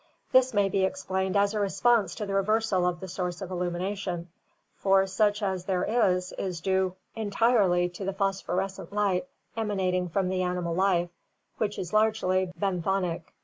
This may be explained as a response to the reversal of the source of illumination, for such as there is is due entirely to the phosphorescent light emanating from the animal life, which is largely benthonic.